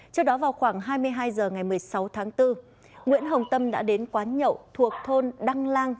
trước đó vào khoảng hai mươi hai h ngày một mươi sáu tháng bốn nguyễn hồng tâm đã đến quán nhậu thuộc thôn đăng lang